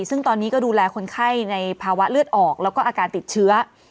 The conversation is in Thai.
ซึ่งตอนนี้ก็ดูแลคนไข้ในภาวะเลือดออกแล้วก็อาการติดเชื้อ